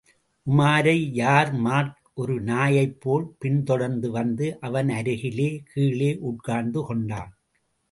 உமாரை யார்மார்க் ஒரு நாயைப்போல் பின் தொடர்ந்து வந்து, அவனருகிலே கீழே உட்கார்ந்து கொண்டான்.